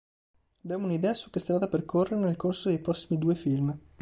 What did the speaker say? Abbiamo un’idea su che strada percorrere nel corso dei prossimi due film.